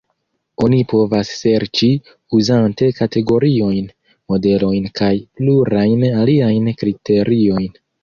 Oni povas serĉi, uzante kategoriojn, modelojn kaj plurajn aliajn kriteriojn.